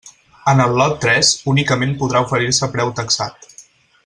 En el lot tres únicament podrà oferir-se preu taxat.